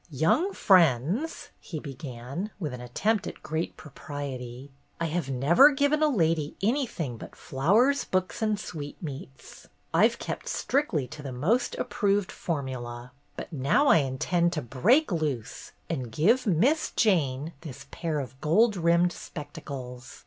"Young friends," he began, with an attempt at great propriety, "I've never given a lady anything but 'flowers, books, and sweetmeats.' I 've kept strictly to the most approved formula. But now I intend to break loose and give Miss Jane this pair of gold rimmed spectacles.